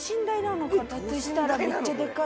だとしたらめっちゃデカい。